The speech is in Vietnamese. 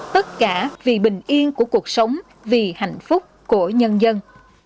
tất cả vì bình yên của cuộc sống vì hạnh phúc của nhân dân